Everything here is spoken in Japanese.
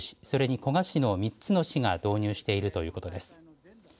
それに古賀市の３つの市がすでに導入しているということです。